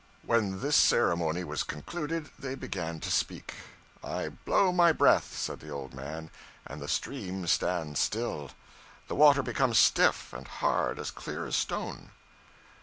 When this ceremony was concluded they began to speak. 'I blow my breath,' said the old man, 'and the stream stands still. The water becomes stiff and hard as clear stone.'